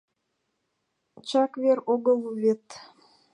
Чак вер огыл вет.